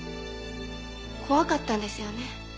怖かったんですよね？